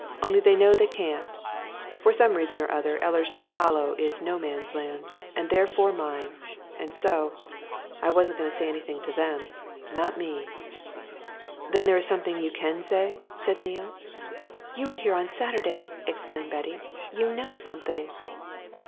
only they know they can't. For some reason or other Ellersdeane Hollow is No Man's Land and therefore mine. And so I wasn't going to say anything to them not me!" "Then there is something you can say?" said Neale. "You were here on Saturday!" exclaimed Betty. "You know something!"